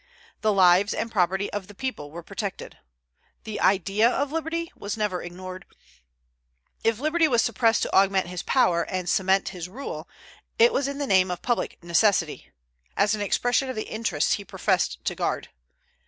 The lives and property of the people were protected. The idea of liberty was never ignored. If liberty was suppressed to augment his power and cement his rule, it was in the name of public necessity, as an expression of the interests he professed to guard.